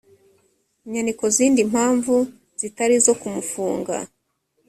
inyandiko zindi mpamvu zitari izo kumufunga